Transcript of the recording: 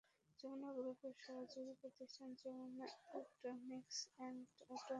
যমুনা গ্রুপের সহযোগী প্রতিষ্ঠান যমুনা ইলেকট্রনিকস অ্যান্ড অটোমোবাইলস মেলায় এনেছে পাঁচ ধরনের মোটরসাইকেল।